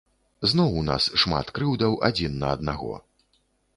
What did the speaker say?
Зноў у нас шмат крыўдаў адзін на аднаго.